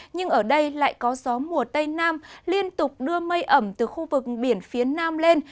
nhưng ở đây lại có gió mùa tây nam liên tục đưa mây ẩm từ khu vực biển phía nam lên